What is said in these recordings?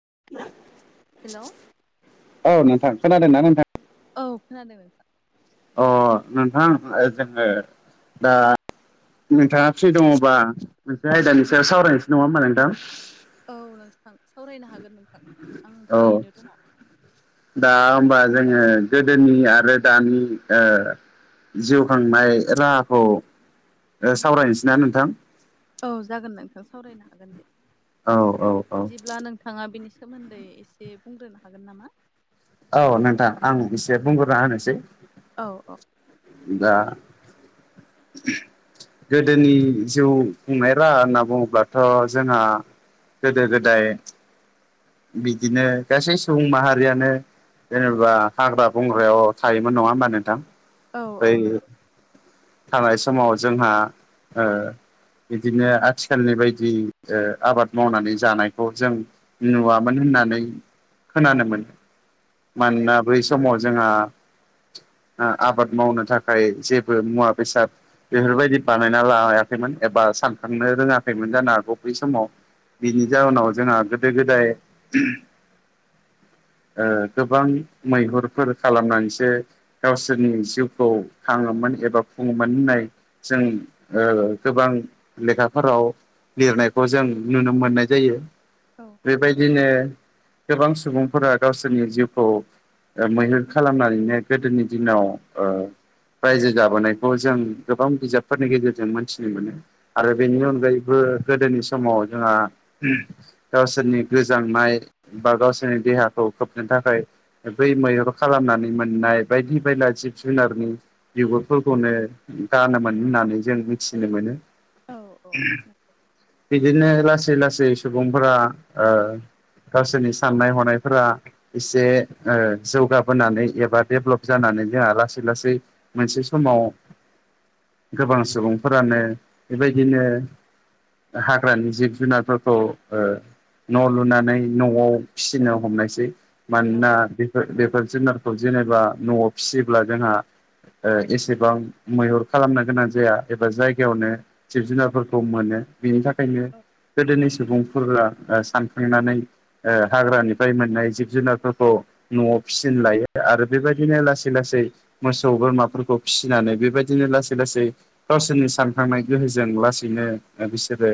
[inaudible] Hello औ नोंथां खोनादों ना नोंथां? औ खोनादों। अ नोंथां जोङो दा नोंथाङा फ्रि दङबा मोनसे आयदानि सायाव सावरायनोसो नङा ओमबा नोंथां? औ नोंथां सावरायनो हागोन नोंथां आं औ फ्रियैनो दङ। दा होमबा जोङो गोदोनि आरो दानि ओ जिउ खांनाय राहाखौ सावरायनोसै ना नोंथां? औ जागोन नोंथां सावरायनो हागोन दे। औ औ औ। बिदिब्ला नोंथाङा बेनि सोमोन्दै एसे बुंग्रोनो हागोन नामा? औ नोंथां आं एसे बुंग्रोना होनोसै। औ औ। दा गोदोनि जिउ खुंनाय राहा होनना बुङोब्लाथ' जोंहा गोदो गोदाय बिदिनो गासै सुबुं माहारियानो जेनेबा हाग्रा बंग्रायाव थायोमोन नङा होमबा नोंथां? औ बै औ नंगौ। थानाय समाव जोंहा ओ बिदिनो आथिखालनि बायदि ओ आबाद मावनानै जानायखौ जों नुवामोन होननानै खोनानो मोनो औ मानोना बै समाव जोंहा ओ आबाद मावनो थाखाय जेबो मुवा बेसाद बेफोरबायदि बानायना लायाखैमोन एबा आ सानखांनो रोङाखैमोन जानो हागौ बै समाव। बिनि जाउनाव जोंहा गोदो गोदाय ओ गोबां मैहुरफोर खालामनानैसो गावसोरनि जिउखौ खाङोमोन एबा खुङोमोन होननाय जों ओ गोबां लेखाफोराव लिरनायखौ जों नुनो मोननाय जायो। औ। बेबायदिनो गोबां सुबुंफोरा गावसोरनि जिउखौ ओ मैहुर खालामनानैनो गोदोनि दिनाव ओ रायजो जाबोनायखौ जों गोबां बिजाबफोरनि गेजेरजों मोनथिनो मोनो। आरो बेनि औ अनगायैबो गोदोनि समाव जोंहा गावसोरनि गोजांनाय बा गावसोरनि देहाखौ खोबनो थाखाय बै मैहुर खालामनानै मोननाय बायदि बायला जिब जुनारनि बिगुरफोरखौनो गानोमोन होननानै जों मि थिनो मोनो। औ औ नंगौ बिदिनो लासै लासै सुबुंफोरा ओ गावसोरनि साननाय हनायफोरा एसे ओ जौगाबोनानै एबा डेभ्लप जाना नै जोंहा लासै लासै मोनसे समाव गोबां सुबुंफोरानो बेबायदिनो हाग्रानि जिब जुनारफोरखौ ओ न' लुनानै न'आव फिसिनो हमनायसै औ मानोना बेफोर बेफोर जुनारखौ जेनेबा न'वाव फिसियोब्ला जोंहा ओ एसेबां मैहुर खालामनो गोनां जाया एबा जायगायावनो जिब जुनारफोरखौ मोनो। बिनि थाखायनो औ गोदोनि सुबुंफोला ओ सानखांनानै ओ हाग्रानिफ्राय मोननाय जिब जुनारफोरखौ न'वाव फिसिनो लायो आरो बेबायदिनो लासै लास सै मोसौ बोरमाफोरखौ फिसिनानै बेबायदिनो लासै लासै गावसोरनि सानखांनाय गोहोजों लासैनो ओ बिसोरो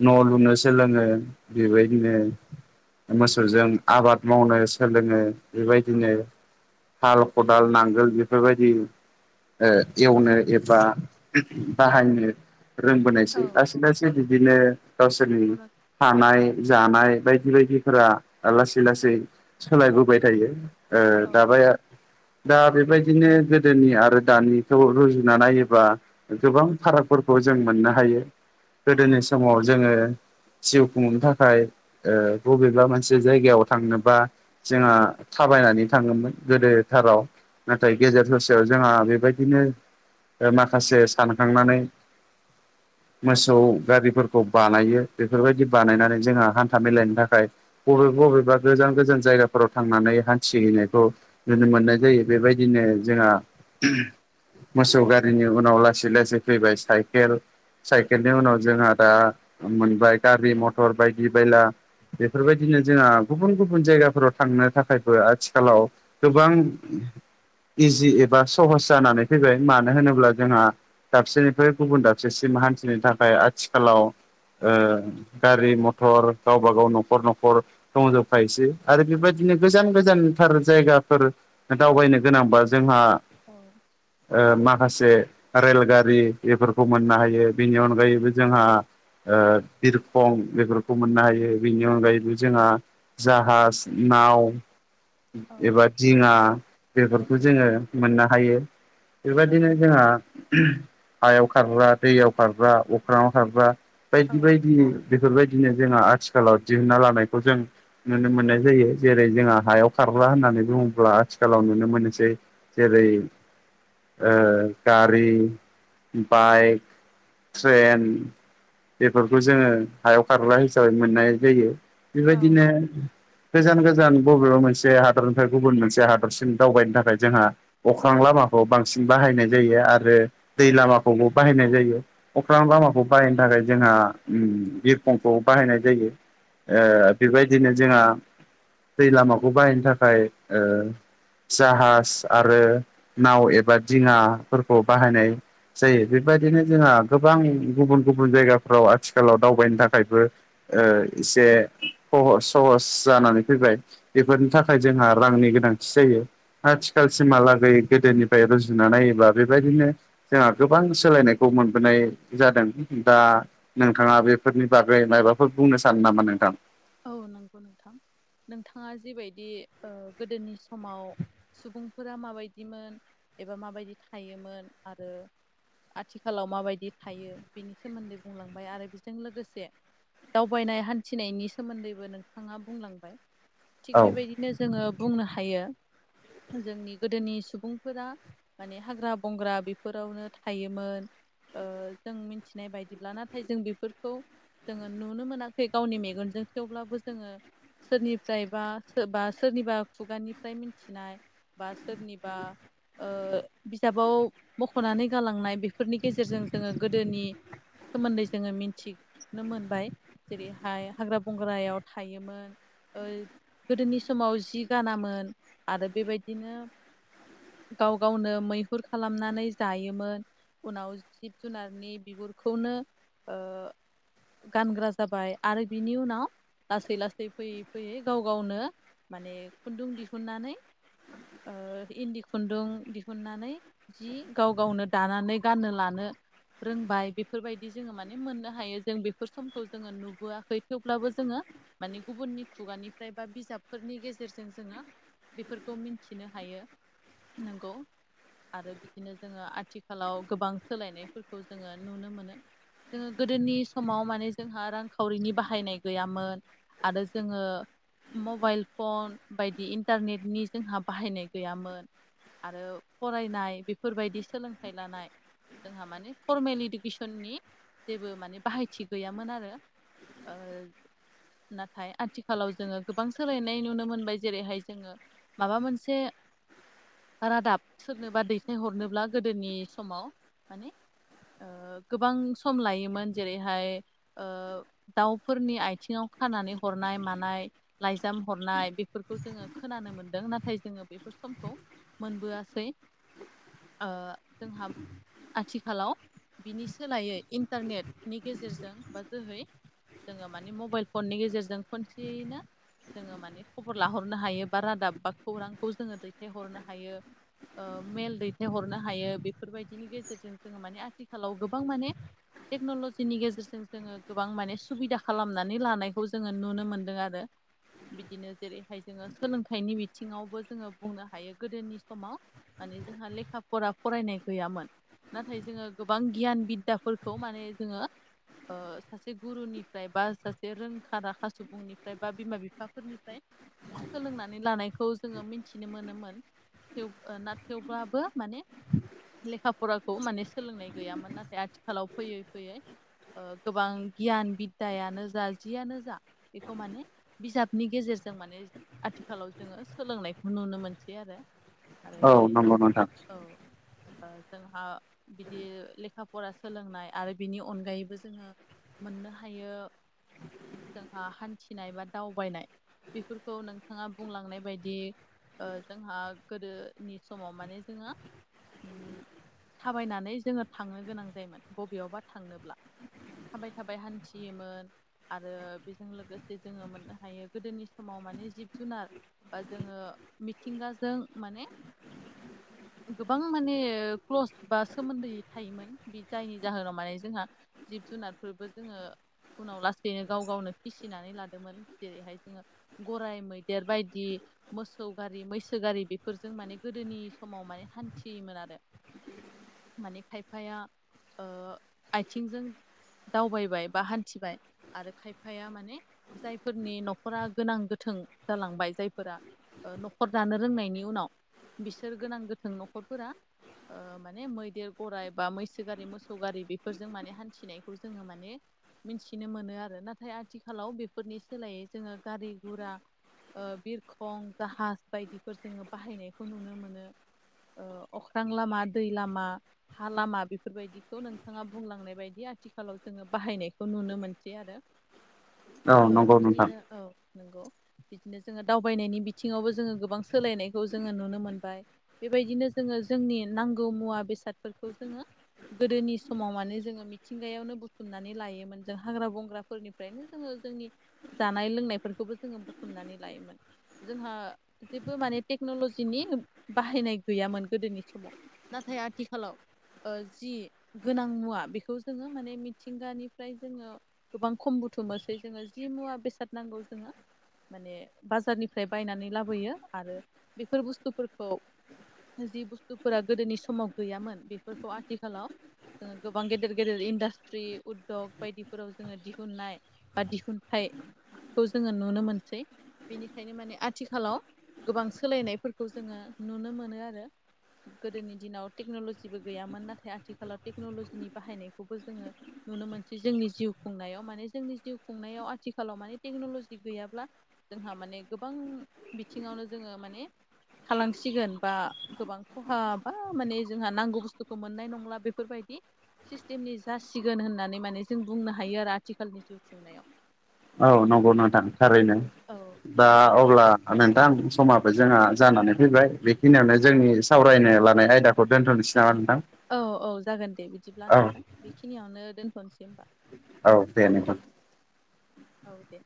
न' लुनो सोलोङो बिबाय दिनो मोसौजों आबाद मावनो सोलोङो। बेबायदिनो हाल खदाल नांगोल बेफोरबायदि ओ एवनो एबा बाहायनो रोंबोनायसै औ लासै औ लासै बिदिनो गावसोरनि नंगौ नोंथां हानाय जानाय बायदि बायदिफोरा लासै लासै सोलायबोबाय थायो। ओ औ दाबाया दा बेबायदिनो गोदोनि आरो दानिखौ रुजुना नायोबा गोबां फारागफोरखौ जों मोननो हायो‌। गोदोनि औ समाव जोङो जिउ खुंनो था खाय ओ बबेबा मोनसे जायगायाव थांनोबा जोंहा थाबायनानै थाङोमोन। गोदोथाराव नाथाय गेजेर ससेयाव जोंहा बेबायदिनो ओ माखासे सानखांनानै मोसौ गारिफोरखौ बानायो। बेफोरबायदि बानायनानै जोंहा हान्था मेलानि थाखाय बबेबा बबेबा गोजान गोजान जायगाफोराव थांनानै हान्थि हैनायखौ नुनो मोननाय जायो। बेबायदिनो जोंहा औ मोसौ गा रिनि उनाव लासै लासै फैबाय साइकेल। साइकेलनि उनाव जोंहा दा मोनबाय गारि मथर बायदि बायला बेफोरबायदिनो जोंहा गुबुन गुबुन जायगाफोराव थांनो थाखायफो आथिखालाव गोबां [inaudible] इजि एबा सहस जानानै फैबाय मानो होनोब्ला जोंहा दाबसेनिफ्राय गुबुन दाबसेसिम मा हानथिनो थाखाय आथिखालाव ओ गारि मथ थर गावबा गाव न'खर न'खर दंजोबखायोसै आरो बेबायदिनो गोजान गोजानथार जायगा [unintelligible] दावबायनो गोनांबा जोंहा औ ओ मा खासे रेलगारि एफोरखौ मोननो हायो। बेनि अनगायैबो जोंहा ओ बिरखं बेफोर खौ मोननो हायो बिनि अनगायैबो जोंहा जाहास, नाव औ एबा दिङा बेफोरखौ जोङो मोननो हायो। बेबायदिनो जोंहा हायाव खारग्रा, दैयाव खारग्रा, अख्राङाव खारग्रा, बायदि बायदि बेफोरबाय दिनो जोंहा आथिखालाव दिहुनना लानायखौ जों नुनो मोननाय जायो। जेरै जोंहा हायाव खारग्रा होनना होननानै बुङोब्ला आथिखालाव नुनो मोनसै जेरै ओ गारि बाइक ट्रेन बेफोरखौ जोङो हायाव खारग्रा हिसाबै मोननाय जायो। औ बेबायदिनो गोजान गोजान बबेबा मोनस से हादरनिफ्राय गुबुन मोनसे हाद रसिम दावबायनो थाखाय जोंहा अख्रां लामाखौ बांसिन बाहायनाय जायो आरो दै लामाखौबो बाहायनाय जायो अख्रां लामाखौ बाहायनो थाखाय जोंहा बिरखंखौ बाहायनाय जायो औ ओ बेबायदिनो जोंहा दै लामाखौ बाहायनो थाखाय ओ जाहाज आरो नाव एबा दिङाफोरखौ बाहायनाय जायो बेबायदिनो जोंहा गोबां गुबुन गुबुन जायगाफ्राव आथिखालाव दावबायनो थाखाय थाखायबो ओ एसे सहस जानानै फैबाय। बेफोरनि थाखाय जोंहा रांनि गोनांथि जायो औ औ आथिखालसिहालागै गोदोनिफ्रायथ' रुजु रुजुना नायोबा बेबायदिनो जोंहा गोबां सोलायनायखौ मोनबोनाय जादों दा नोंथाङा बेफोरनि बागै मायबाफोर बुंनो सानो नामा नोंथां? औ नंगौ नोंथां नोंथाङा जिबायदि ओ गोदोनि समाव सुबुंफोरा माबायदिमोन एबा माबायदि थायोमोन आरो आथिखालाव माबायदि थायो बेनि सोमोन्दै बुंलांबाय आरो बेजों लोगोसे दावबायनाय हान्थिनायनि सोमोन्दैबो नोंथाङा बुंलांबाय थिग औ बेबायदिनो जोङो बुंनो हायो जोंनि गोदोनि सुबुंफोरा माने हाग्रा बंग्रा बेफोरावनो थायोमोन। ओ जों मिथिनाय बायदिब्ला नाथाय जों बेफोरखौ जोङो नुनो मोनाखै गावनि मेगनजों। थेवब्लाबो जोङो सोरनिफ्राय बा सोरबा सोरनिबा खुगानिफ्राय मिथिनाय बा सोरनिबा ओ बिजाबाव मख'नानै गालांनाय बेफोरनि गेजेरजों जोङो गोदोनि सोमोन्दै जोङो मिथिनो मोनबाय जेरैहाय हाग्रा बंग्रायाव थायोमोन। ओ गोदोनि समाव जि गानामोन आरो बेबायदिनो गाव गावनो मैहुर खालामनानै जायोमोन। उनाव जिब जुनारनि बिगुरखौनो ओ गानग्रा जाबाय आरो बिनि उनाव लासै लासै फैयै फैयै गाव गावनो माने खुन्दुं दिहुननानै ओ इन्दि खुन्दुं दिहुननानै जि गाव गावनो दानानै गाननो लानो रोंबाय बेफोरबायदि जोङो माने मोननो हायो जों बेफोर समखौ जोङो नुबोआखै थेव ब्लाबो जोङो माने गुबुननि खुगानिफ्राय बा बिजाबफोरनि गेजेरजों जोङो बेफोरखौ मिथिनो हायो नोंगौ। आरो बिदिनो जोङो आथिखालाव गोबां सोलायनायफोरखौ जोङो नुनो मोनो। जोङो गोदोनि समाव माने जोंहा रांखावरिनि बाहायनाय गैयामोन आरो जोङो मबाइल फन बायदि इन्टारनेटनि जोंहा बाहायनाय गैयामोन। आरो फरायनाय बेफोरबायदि सोलोंथाइ लानाय जोंहा माने फरमेल इडुकेसननि जेबो माने बाहायथि गैयामोन आरो ओ नाथाय आथिखालाव जोङो गोबां सोलायनाय नुनो मोनबाय जेरैहाय जोङो माबा मोनसे रादाब सोरनोबा दैथायहरनोब्ला गोदोनि समाव माने ओ गोबां सम लायोमोन जेरैहाय ओ दाउफोरनि आइ आथिङाव खानानै हरनाय मानाय लाइजाम हरनाय बेफोरखौ जोङो खोनानो मोन्दों नाथाय जोङो बेफोर समखौ मोनबोआसै ओ जोंहा आथिखालाव बिनि सोलायै इन्टारनेटनि गेजेरजों बा जोहै जोङो माने मबाइल फननि गेजेरजों खनसेयैनो जोङो माने खबर लाहरनो हायो बा रादाब बा खौरांखौ जोङो दैथायहरनो हायो। ओ मेल दैथायहरनो हायो बेफोरबायदिनि गेजेरजों जोङो माने आथिखालाव गोबां माने टेक्न'ल'जिनि गेजेरजों जोङो गोबां माने सुबिदा खालामनानै लानायखौ जोङो नुनो मोनदों आरो। बिदिनो जेरैहाय जोङो सोलोंथाइनि बिथिङावबो जोङो बुंनो हायो गोदोनि समाव माने जोंहा लेखा फरा फरायनाय गैयामोन। नाथाय जोङो गोबां गियान बिद्दाफोरखौ माने जोङो ओ सासे गुरुनि फ्राय बा सासे रोंखा राखा सुबुंनिफ्राय बा बिमा बिफाफोरनिफ्राय सोलोंनानै लानायखौ जोङो मिथिनो मोनोमोन। थेव ना थेवब्लाबो माने लेखा फराखौ माने सोलोंनाय गैयामोन नाथाय आथिखालाव फैयै फैयै गोबां गियान बि दायानो जा जियानो जा बेखौ माने बिजाबनि गेजेरजों माने आथिखालाव जोङो सोलोंनायखौ नुनो मोनसै आरो आरो औ जेरैहाय नंगौ जोंहा नोंथां औ ओ जोंहा बिदि लेखा फरा सोलोंनाय आरो बिनि अनगायैबो जोङो मोननो हायो। जोंहा हान्थिनाय बा दावबायनाय बेफोरखौ नोंथाङा बुंलांनाय बायदि ओ जोंहा गोदोनि समाव माने जोङो थाबायनानै जोङो थांनो गोनां जायोमोन बबेयावबा थांनोब्ला थाबाय थाबाय हान थियोमोन आरो बेजों लोगोसे जोङो मोननो हायो गोदोनि समाव माने जिब जुनार बा जोङो मिथिंगाजों माने [inaudible] गोबां माने क्लस बा सोमोन्दो थायोमोन बे जायनि जाहोनाव माने जोंहा जुनारफोरबो जोङो उनाव लासैनो गाव गावनो फिसिनानै लादोंमोन जेरैहाय जोङो गराइ मैदेर बायदि मोसौ गारि मैसो गारि बेफोरजों माने गोदोनि समाव माने हान्थियोमोन आरो। [inaudible] माने खायफाया ओ आयथिंजों दावबायबाय बा हान्थिबाय आरो खायफाया माने जायफोरनि न'खरा गोनां गोथों जालांबाय। जायफोरा ओ न'खर दानो रोंनायनि उनाव बिसोर गोनां गोथों न'खरफोरा ओ माने मैदेर गराइ बा मैसो गारि मोसौ गारि बेफोरजों माने हान्थिनायखौ जोङो माने मिथिनो मोनो आरो नाथाय आथिखालाव बेफोरनि सोलायै जोङो गारि घुरा। ओ बिरखं जाहाज बायदिफोर जोङो बाहायनायखौ नुनो मोनो। ओ अख्रां लामा दै लामा हा लामा बेफोरबायदिखौ नोंथाङा बुंलांनाय बायदि आरो। आथिखालाव जोङो बाहायनायखौ नुनो मोनसै आरो औ ओ नंगौ नोंथां बिदिनो औ। नोंगौ बिदिनो जोङो दावबायनायनि बिथिङावबो जोङो गोबां सोलायनायखौ जोङो नुनो मोनबाय बेब बेबायदिनो जोङो जोंनि नांगौ मुवा बेसादफोरखौ जोङो गोदोनि समाव माने जोङो मिथिंगायावनो बुथुमनानै लायोमोन। जों हाग्रा बंग्राफोरनिफ्रायनो जोङो जोंनि जानाय लोंनायफोरखौबो जोङो बुथुमनानै लायोमोन। जोंहा जेबो माने टेक्न'लजिनि बाहायनाय गैयामोन गोदोनि समाव नाथाय आथिखालाव ओ जि गोनां मुवा बिखौ जोङो माने मिथिंगानि फ्राय जोङो गोबां खम बुथुमनोसै जोङो जि मुवा बेसाद नांगौ जोङो माने बाजारनिफ्राय बायनानै लाबोयो आरो बेफोर बुस्थुफोरखौ जि बुस्थुफोरा गोदोनि समाव गैयामोन बेफोरखौ आथिखालाव ओ गोबां गेदेर गेदेर इन्डासट्रि। जग बायदिफोराव जोङो दिहुननाय बा दिहुनथाइखौ जोङो नुनो मोनसै। बेनिखायनो माने आथिखालाव गोबां सोलायनायफोरखौ जोङो नुनो मोनो आरो। गोदोनि दिनाव टेक्न'ल'जिबो गैयामोन नाथाय आथिखालाव टेक्न'लजिनि बाहायनायखौबो जोङो नुनो मोनसै जोंनि जिउ खुंनायाव माने जोंनि जिउ खुंनायाव आथिखालाव माने टेक्न'लजि गैयाब्ला जोंहा माने गोबां बिथिङावनो जोङो माने खालामसिगोन बा गोबां खहा बा माने जोंहा नांगौ बुस्थुखौ मोननाय नंला बेफोरबायदि सिस्टेमनि जासिगोन होननानै माने जों बुंनो हायो आरो आथिखालनि जिउ खुंनायाव। औ नंगौ नोंथां थारैनो औ दा औ अब्ला नोंथां समाबो जोंहा जानानै फैबाय बेखिनियावनो औ जोंनि सावरायनो लानाय आयदाखौ दोनथ'निसै नामा? औ औ जागोन दे बिदिब्ला औ नोंथां। बिखिनियावनो दोनथ'नसै होमबा। औ दे नोथां। औ दे।